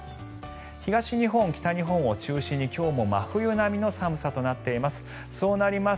東日本、北日本を中心に今日も真冬並みの寒さとなっています。